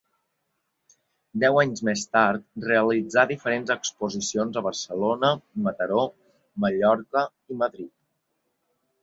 Deu anys més tard, realitzà diferents exposicions a Barcelona, Mataró, Mallorca i Madrid.